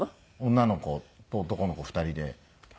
女の子と男の子２人ではい。